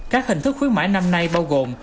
các hình thức khuyến mại năm nay bao gồm